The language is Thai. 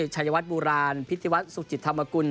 ชัยวัดโบราณพิธีวัฒนสุจิตธรรมกุล